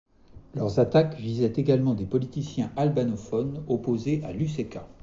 Leurs attaques visaient également des politiciens albanophones opposés à l'UÇK.